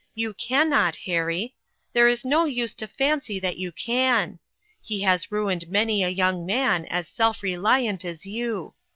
You can not, Harry. There is no use to fancy that you can. He has ruined many a young man as self reliant as you.